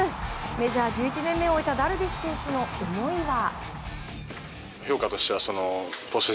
メジャー１１年目を終えたダルビッシュ投手の思いは。